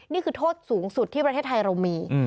นี่คือโทษสูงสุดที่ประเทศไทยเรามี